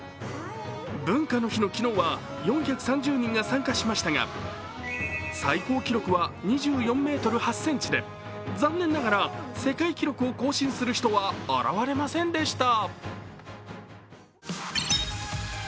文化の日の昨日は４３０人が参加しましたが、最高記録は２４ｍ８ｃｍで、残念ながら世界記録を更新する人は現れませんでした。